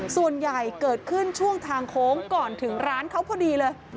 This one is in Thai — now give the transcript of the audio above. ส่วนใหญ่เกิดขึ้นช่วงทางโค้งก่อนถึงร้านเขาพอดีเลย